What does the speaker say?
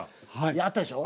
あったでしょ。